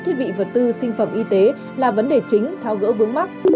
thiết bị vật tư sinh phẩm y tế là vấn đề chính tháo gỡ vướng mắt